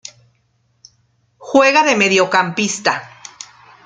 Juega de mediocampista.